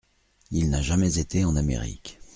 Il n’a jamais été en Amérique.